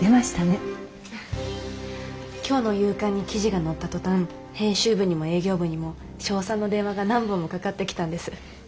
今日の夕刊に記事が載った途端編集部にも営業部にも称賛の電話が何本もかかってきたんです。